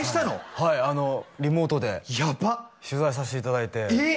はいあのリモートで取材させていただいてヤバっえっ！？